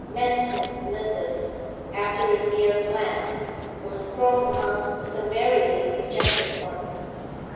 Manston's missive, after a mere glance, was thrown amongst the summarily rejected ones.